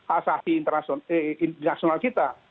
asasi internasional kita